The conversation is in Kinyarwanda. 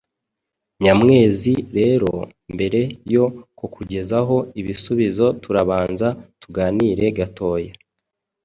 Nyamwezi rero, mbere yo kukugezaho ibisubizo turabanza tuganire gatoya.